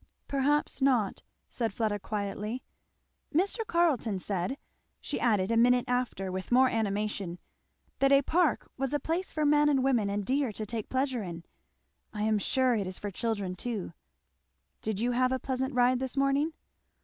"Perhaps not," said Fleda quietly. "Mr. Carleton said," she added a minute after with more animation, "that a park was a place for men and women and deer to take pleasure in. I am sure it is for children too!" "Did you have a pleasant ride this morning?"